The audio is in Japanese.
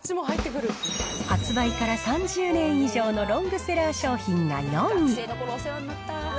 発売から３０年以上のロングセラー商品が４位。